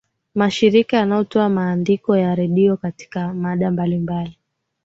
mashirika yanatoa maandiko ya redio katika mada mbalimbali